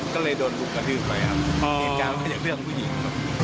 ก็เลยโดนรุ่นกระทืบไปครับอีกการก็จะเรื่องผู้หญิงครับ